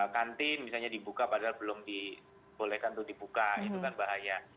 kantin misalnya dibuka padahal belum dibolehkan untuk dibuka itu kan bahaya